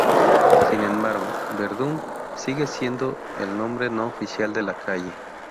Sin embargo, "Verdun" sigue siendo el nombre No oficial de la calle.